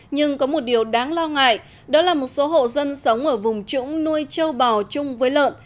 nhưng có một điều đáng lo ngại đó là một số hộ dân sống ở vùng trũng nuôi châu bò chung với lợn